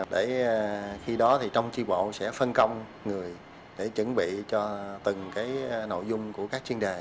để khi đó thì trong tri bộ sẽ phân công người để chuẩn bị cho từng nội dung của các chuyên đề